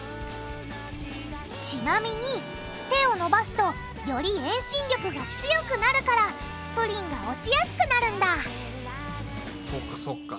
ちなみに手を伸ばすとより遠心力が強くなるからプリンが落ちやすくなるんだそうかそうか。